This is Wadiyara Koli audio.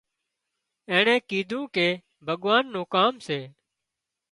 اينڻي ڪيڌوون ڪي ڀڳوان نُون ڪام سي